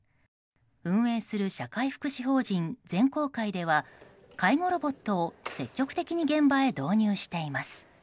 運営する社会福祉法人善光会では介護ロボットを積極的に現場へ導入しています。